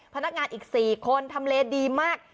พนักงานอีก๔คนทำเลดีมาก